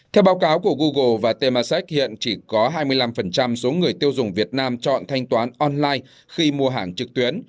theo báo cáo của google và temasek hiện chỉ có hai mươi năm số người tiêu dùng việt nam chọn thanh toán online khi mua hàng trực tuyến